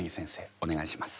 お願いします。